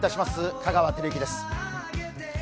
香川照之です。